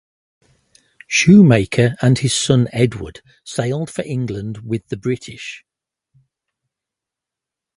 Shoemaker and his son Edward sailed for England with the British.